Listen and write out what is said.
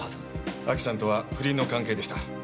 亜紀さんとは不倫の関係でした。